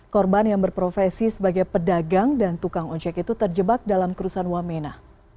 korban yang berprofesi sebagai pedagang dan tukang ojek itu terjebak dalam kerusuhan wamena